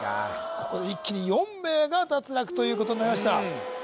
ここで一気に４名が脱落ということになりました